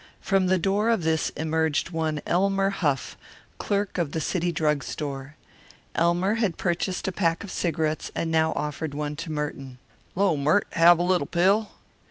From the door of this emerged one Elmer Huff, clerk at the City Drug Store. Elmer had purchased a package of cigarettes and now offered one to Merton. "'Lo, Mert! Have a little pill?"